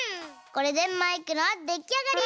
これでマイクのできあがり！